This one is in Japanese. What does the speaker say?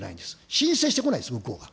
申請してこないんです、向こうが。